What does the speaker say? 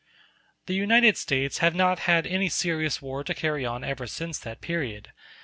] The United States have not had any serious war to carry on ever since that period.